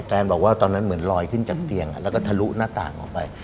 แนนบอกว่าตอนนั้นเหมือนลอยขึ้นจากเตียงแล้วก็ทะลุหน้าต่างออกไป